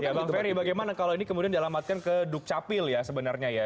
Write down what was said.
ya bang ferry bagaimana kalau ini kemudian dialamatkan ke dukcapil ya sebenarnya ya